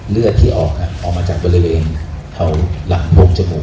เลือดที่ออกมาจากบริเวณแถวหลังพบจมูก